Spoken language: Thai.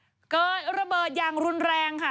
เกิดระเบิดอย่างรุนแรงค่ะ